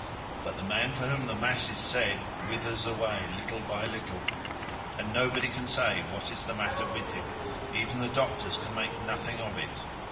But the man for whom the mass is said withers away little by little, and nobody can say what is the matter with him; even the doctors can make nothing of it.